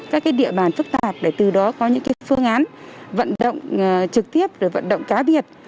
các địa bàn phức tạp để từ đó có những phương án vận động trực tiếp rồi vận động cá biệt